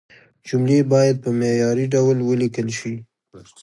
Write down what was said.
جملې باید په معياري ډول ولیکل شي.